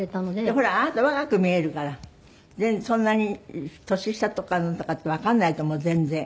ほらあなた若く見えるからそんなに年下とかなんとかってわかんないと思う全然。